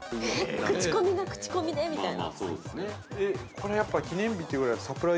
◆口コミが口コミでみたいな。